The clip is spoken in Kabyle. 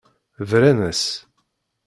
Bran-as.